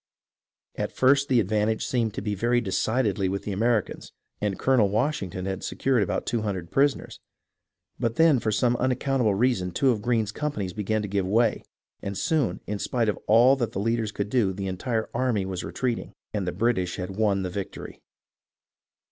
At first the advantage seemed to be very decidedly with the Americans, and Colonel Washington had secured about two hundred prisoners ; but then for some unaccountable reason two of Greene's companies began to give way, and soon, in spite of all that the leaders could do, the entire army was retreating, and the British had won the victory.